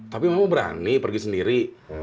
tapi mama berani pergi sendiri